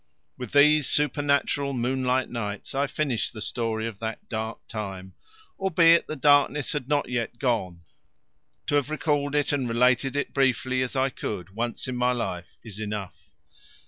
With these supernatural moonlight nights I finish the story of that dark time, albeit the darkness had not yet gone; to have recalled it and related it briefly as I could once in my life is enough.